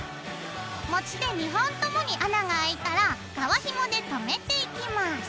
持ち手２本共に穴があいたら皮ひもでとめていきます。